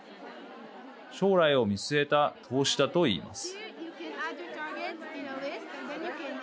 将来を見据えた投資だといいます。